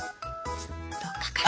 どっかから。